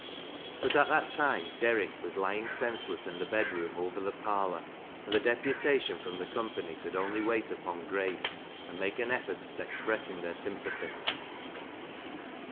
But at that time Derrick was lying senseless in the bed room over the parlor, and the deputation fi"om the company could only wait upon Grace, and make an effort at express ing their sympathy.